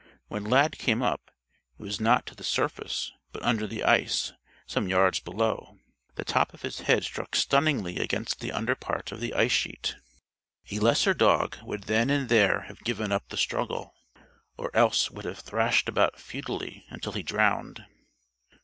When Lad came up, it was not to the surface but under the ice, some yards below. The top of his head struck stunningly against the underpart of the ice sheet. A lesser dog would then and there have given up the struggle, or else would have thrashed about futilely until he drowned.